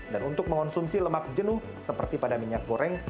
dan untuk mengonsumsi lemak jenuh seperti pada minyak goreng